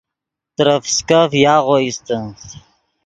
ترے فسکف یاغو ایستے